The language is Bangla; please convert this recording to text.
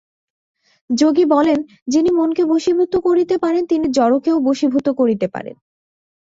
যোগী বলেন, যিনি মনকে বশীভূত করিতে পারেন, তিনি জড়কেও বশীভূত করিতে পারেন।